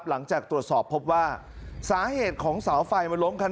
หลังจากตรวจสอบพบว่าสาเหตุของเสาไฟ